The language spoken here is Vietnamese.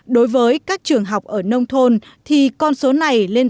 đối với các trường học ở nông thôn thì con số này lên